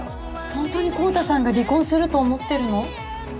ホントに昂太さんが離婚すると思ってるの？